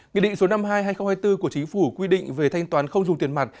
nghị định số năm mươi hai hai nghìn hai mươi bốn của chính phủ quy định về thanh toán không dùng tiền mặt